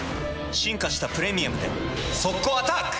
進化した「プレミアム」で速攻アタック！